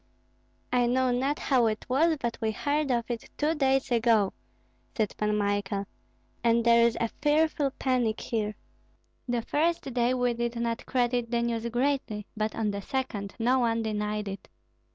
'" "I know not how it was, but we heard of it two days ago," said Pan Michael, "and there is a fearful panic here. The first day we did not credit the news greatly, but on the second no one denied it.